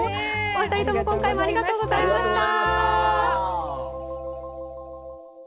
お二人とも今回もありがとうございました！